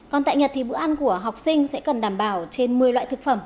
còn tại nhật thì bữa ăn của học sinh sẽ cần đảm bảo trên một mươi loại thực phẩm